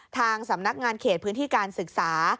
ทางสำนักงานเขตพื้นที่การศึกษา